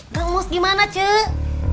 kamu gimana cek